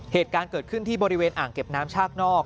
เหตุการณ์เกิดขึ้นที่บริเวณอ่างเก็บน้ำชากนอก